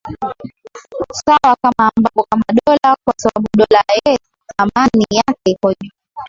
sawa kama ambapo kama dola kwa sababu dola eee dhamani yake iko juu